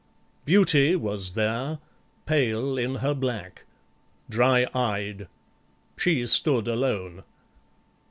BEAUTY was there, Pale in her black; dry eyed; she stood alone.